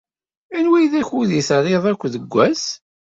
Anwa ay d akud ay trid akk deg wass?